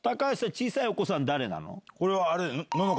小さいお子さん誰？